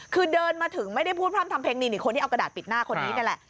คือเดินมาถึงไม่ได้พูดพร่ำทำเพลงนี่คนที่เอากระดาษปิดหน้าคนนี้นี่แหละ